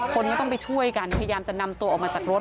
คนก็ต้องไปช่วยกันพยายามจะนำตัวออกมาจากรถ